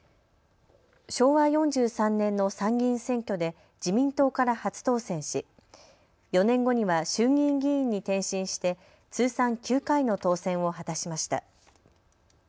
昭和４３年の参議院選挙で自民党から初当選し、４年後には衆議院議員に転身して通算９回の当選を果たしました。